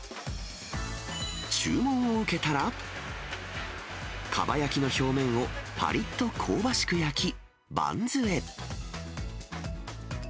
注文を受けたら、かば焼きの表面をぱりっと香ばしく焼き、バンズへ。